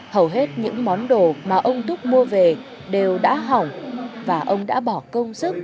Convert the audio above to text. hầu hết những món đồ mà ông túc mua về đều đã hỏng và ông đã bỏ công sức